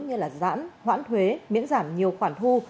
như là giãn hoãn thuế miễn giảm nhiều khoản thu